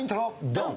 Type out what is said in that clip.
ドン！